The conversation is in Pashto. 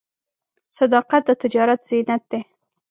صداقت د تجارت زینت دی.